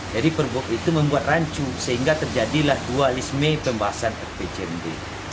jadi perbup itu membuat rancu sehingga terjadilah dualisme pembahasan rpjmd